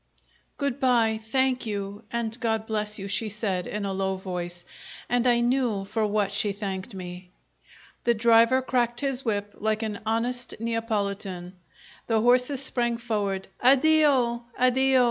"Good bye. Thank you and God bless you!" she said, in a low voice. And I knew for what she thanked me. The driver cracked his whip like an honest Neapolitan. The horses sprang forward. "Addio, addio!"